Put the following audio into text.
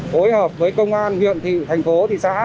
phối hợp với công an huyện thị thành phố thị xã